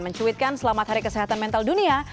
mencuitkan selamat hari kesehatan mental dunia